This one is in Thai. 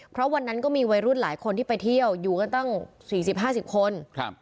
เพราะวันนั้นก็มีวัยรุ่นหลายคนที่ไปเที่ยวอยู่กันตั้ง๔๐๕๐คน